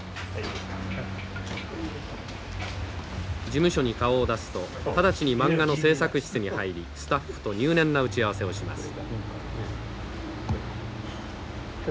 事務所に顔を出すと直ちにマンガの製作室に入りスタッフと入念な打ち合わせをします。